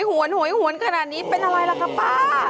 โหยหวนกระดานนี้เป็นอะไรล่ะครับป้า